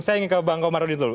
saya ingin ke bang komarudi dulu